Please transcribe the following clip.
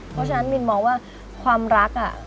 เพราะฉะนั้นมินมองว่าความรัก